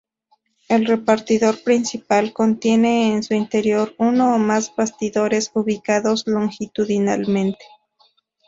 El repartidor principal contiene en su interior uno o más bastidores ubicados longitudinalmente.